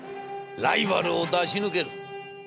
ライバルを出し抜ける』。